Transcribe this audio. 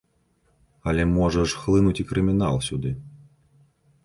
Але можа ж хлынуць і крымінал сюды.